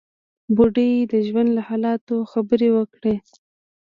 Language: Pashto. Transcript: بوډۍ د ژوند له حالاتو خبرې وکړې.